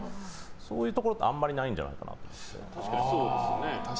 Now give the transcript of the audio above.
そういうところってあんまりないんじゃないかなって。